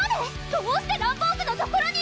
どうしてランボーグの所に！